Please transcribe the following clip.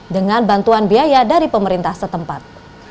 dengan bantuan biaya dari pemerintah setempat